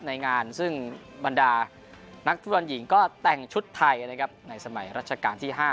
ในงานซึ่งบรรดานักฟุตบอลหญิงก็แต่งชุดไทยนะครับในสมัยรัชกาลที่๕